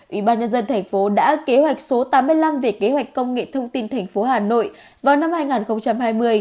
ủy ban nhân dân thành phố đã kế hoạch số tám mươi năm về kế hoạch công nghệ thông tin thành phố hà nội vào năm hai nghìn hai mươi